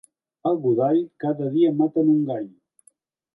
A Godall cada dia maten un gall.